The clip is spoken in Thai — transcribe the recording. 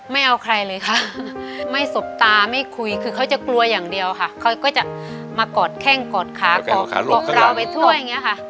ไม่เอาใครเลยค่ะไม่สบตาไม่คุยคือเขาจะกลัวอย่างเดียวค่ะเขาก็จะมากอดแข้งกอดขากอดเราไปทั่วอย่างนี้ค่ะ